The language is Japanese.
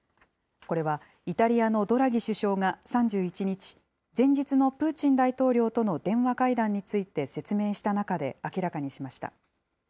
これはイタリアのドラギ首相が３１日、前日のプーチン大統領との電話会談について説明した中で明らかにしました。